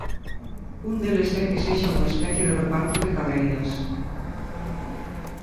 Un deles é que sexa unha especie de reparto de cadeiras.